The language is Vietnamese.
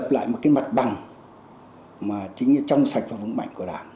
lại một cái mặt bằng mà chính là trong sạch và vững mạnh của đảng